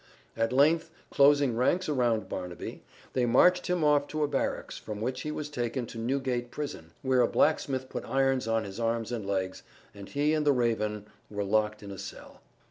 At length, closing ranks around Barnaby, they marched him off to a barracks, from which he was taken to Newgate Prison, where a blacksmith put irons on his arms and legs, and he and the raven were locked in a cell.